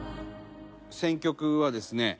選曲はですね